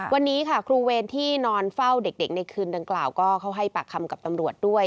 วันนี้ค่ะครูเวรที่นอนเฝ้าเด็กในคืนดังกล่าวก็เข้าให้ปากคำกับตำรวจด้วย